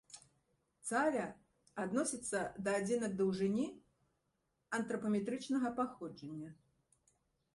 Цаля адносіцца да адзінак даўжыні антрапаметрычнага паходжання.